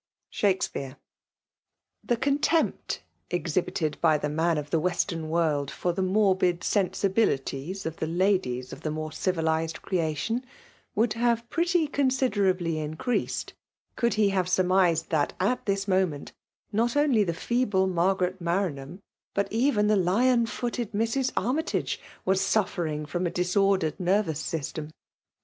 ' SUAKSl'BA.BC. *••• The contempt exhibited by the man of the Western world> for the morbid sensibilities of ikic ladies of the more civilized creation, would < have "pretty considerably" increased, could iie have surmised that, at this moment, not only the feeble Margaret Mafanham, but even the lion footed Mrs. Army tage was suffering from a disordered nervous system.